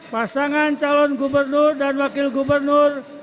pasangan calon gubernur dan wakil gubernur